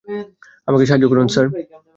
আমাকে সাহায্য করুন, স্যার।